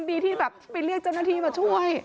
ดีที่แบบไปเรียกเจ้าหน้าที่มาช่วย